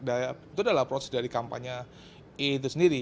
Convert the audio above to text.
itu adalah proses dari kampanye i itu sendiri